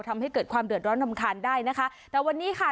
ทำให้เกิดความเดือดร้อนรำคาญได้นะคะแต่วันนี้ค่ะ